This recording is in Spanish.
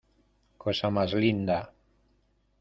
¡ cosa más linda!